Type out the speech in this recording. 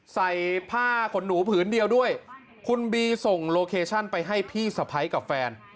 ใส่ผ้าขนหนูผืนเดียวด้วยคุณบีส่งโลเคชั่นไปให้พี่สะพ้ายกับแฟน